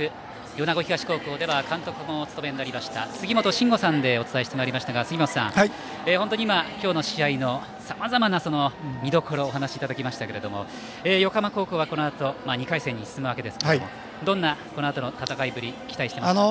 米子東高校では監督もお務めになりました杉本真吾さんでお伝えしてまいりましたが杉本さん、本当に今日の試合のさまざまな見どころをお話いただきましたけども横浜高校は、このあと２回戦に進むわけですけれどもこのあとの戦いぶりにどう期待しますか。